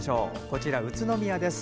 こちら宇都宮です。